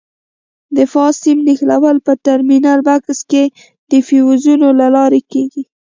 د فاز سیم نښلول په ټرمینل بکس کې د فیوزونو له لارې کېږي.